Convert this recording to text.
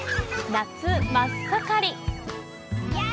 夏真っ盛り。